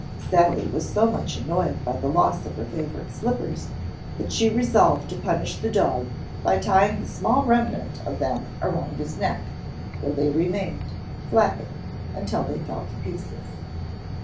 Sally was so much annoyed by the loss of her favorite slippers that she resolved to punish the dog by tying the small remnant of them around his neck, where they remained, flapping, until they fell to pieces.